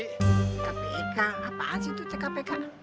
tkpk apaan sih itu tkpk